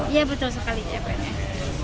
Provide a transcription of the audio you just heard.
iya betul sekali cpns